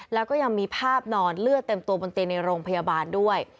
แล้วก็ยังมีภาพนอนเลือดเต็มตัวบนเตียงในโรงพยาบาลด้วย